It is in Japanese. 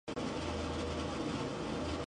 学園祭最後